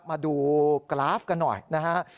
มาดูกราฟกันหน่อยนะฮะ